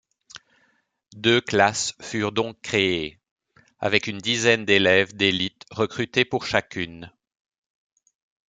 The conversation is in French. Deux classes furent donc créées, avec une dizaine d'élèves d'élite recrutés pour chacune.